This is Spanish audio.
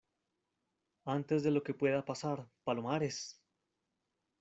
antes de lo que pueda pasar. ¡ palomares!